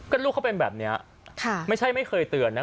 ก็ลูกเขาเป็นแบบนี้ไม่ใช่ไม่เคยเตือนนะ